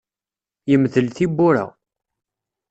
Yemdel tiwwura.